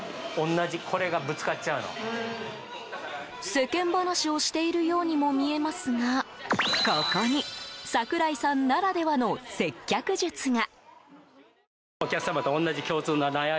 世間話をしているようにも見えますがここに櫻井さんならではの接客術が！